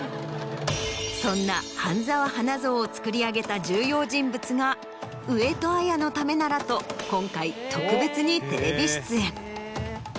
そんな「半沢花」像を作り上げた重要人物が上戸彩のためならと今回特別にテレビ出演。